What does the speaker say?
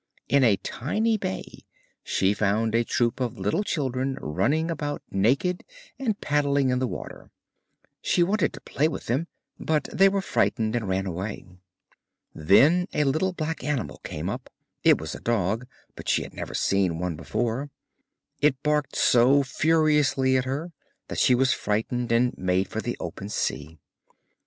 In a tiny bay she found a troop of little children running about naked and paddling in the water; she wanted to play with them, but they were frightened and ran away. Then a little black animal came up; it was a dog, but she had never seen one before; it barked so furiously at her that she was frightened and made for the open sea.